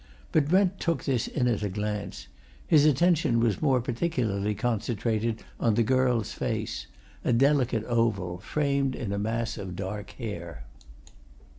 But Brent took this in at a glance; his attention was more particularly concentrated on the girl's face a delicate oval, framed in a mass of dark hair.